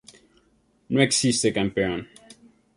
No existe campeón.